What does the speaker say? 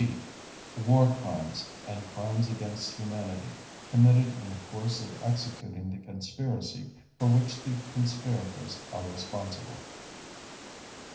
(G) WAR CRIMES AND CRIMES AGAINST HUMANITY COMMITTED IN THE COURSE OF EXECUTING THE CONSPIRACY FOR WHICH THE CONSPIRATORS ARE RESPONSIBLE.